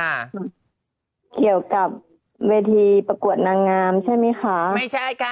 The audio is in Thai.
แถวว่ากับเวทีประกวดนังงามใช่มั้ยค่ะไม่ใช่ฮะ